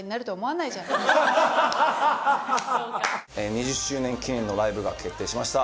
２０周年記念のライブが決定しました。